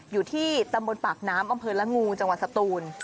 อยู่ที่ตำบลปากน้ำอำเภอละงูจังหวัดสตูน